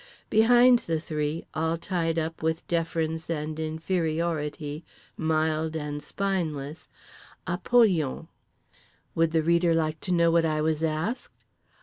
Behind the Three, all tied up with deference and inferiority, mild and spineless, Apollyon. Would the reader like to know what I was asked?